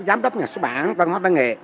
giám đốc nhà sứ bản văn hóa văn nghệ